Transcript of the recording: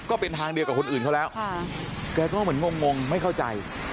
ก็เป็นทางเดียวกับคนอื่นเขาแล้วแกก็เหมือนงงไม่เข้าใจ